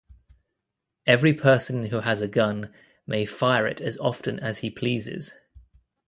Every person who has a gun may fire it as often as he pleases.